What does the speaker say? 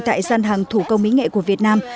tại dân hạng thủ công mỹ nghệ của việt nam